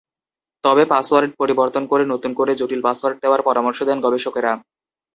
তবে পাসওয়ার্ড পরিবর্তন করে নতুন করে জটিল পাসওয়ার্ড দেওয়ার পরামর্শ দেন গবেষকেরা।